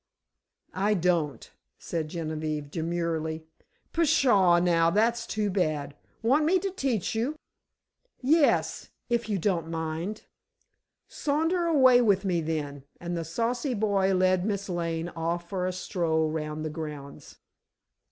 "I don't," said Genevieve, demurely. "Pshaw, now, that's too bad. Want me to teach you?" "Yes—if you don't mind." "Saunter away with me, then," and the saucy boy led Miss Lane off for a stroll round the grounds.